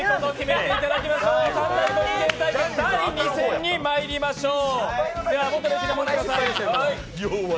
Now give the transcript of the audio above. ３大コイン対決、第２戦にまいりましょう。